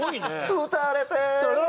「打たれて」